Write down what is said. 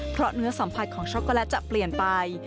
เพราะเนื้อสัมผัสของช็อกโกแลตจะเปลี่ยนไป